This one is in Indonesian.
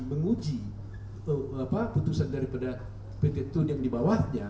menguji putusan daripada pt tun yang di bawahnya